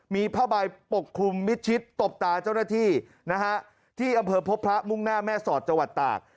มีผ้าใบปกคลุมมิดชิดตบตาเจ้าหน้าที่นะฮะที่อำเภอพบพระมุ่งหน้าแม่สอดจังหวัดตาก